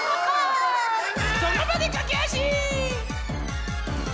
そのばでかけあし！